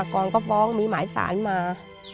ก่อนก็ฟ้องมีหมายสารมา